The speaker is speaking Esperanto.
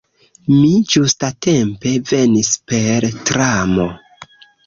Mi ĝustatempe venis per tramo.